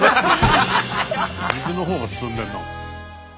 水のほうが進んでるな。